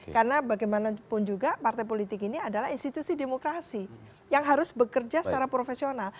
karena bagaimanapun juga partai politik ini adalah institusi demokrasi yang harus bekerja secara profesional